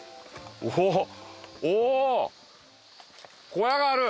小屋がある！